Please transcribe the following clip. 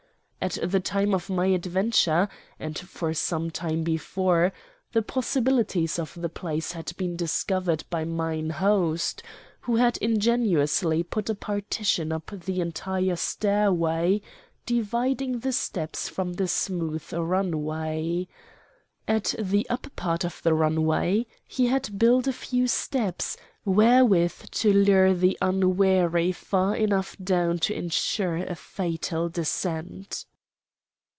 At the time of my adventure, and for some time before, the possibilities of the place had been discovered by mine host, who had ingeniously put a partition up the entire stairway, dividing the steps from the smooth runway. At the upper part of the runway he had built a few steps, wherewith to lure the unwary far enough down to insure a fatal descent.